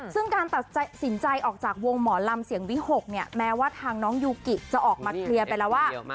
ซึ่งการตัดสินใจออกจากวงหมอลำเสียงวิหกเนี่ยแม้ว่าทางน้องยูกิจะออกมาเคลียร์ไปแล้วว่า